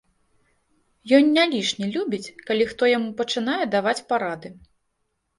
Ён не лішне любіць, калі хто яму пачынае даваць парады.